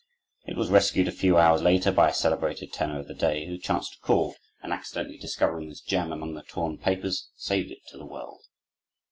It was rescued a few hours later by a celebrated tenor of the day, who chanced to call, and accidentally discovering this gem among the torn papers, saved it to the world.